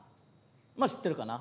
まあ知ってるかな。